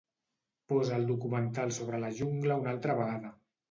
Posa el documental sobre la jungla una altra vegada.